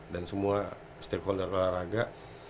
dan semua stakeholder olahraga